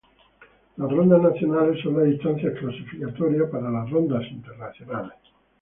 Las rondas nacionales son la instancia clasificatoria para las rondas internacionales.